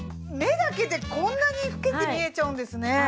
目だけでこんなに老けて見えちゃうんですね